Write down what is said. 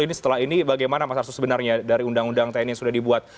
ini setelah ini bagaimana mas arsul sebenarnya dari undang undang tni yang sudah dibuat